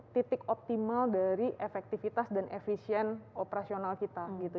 titik optimal dari efektivitas dan efisien operasional kita gitu